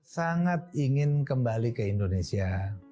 sangat ingin kembali ke indonesia